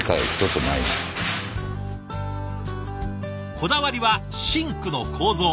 こだわりはシンクの構造。